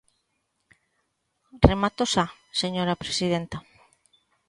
Remato xa, señora presidenta.